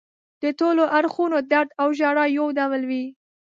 د ټولو اړخونو درد او ژړا یو ډول وي.